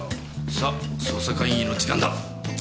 さ捜査会議の時間だ。